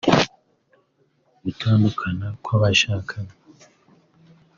gutandukana kw’abashakanye